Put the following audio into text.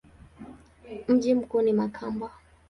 Mji mkuu ni Makamba.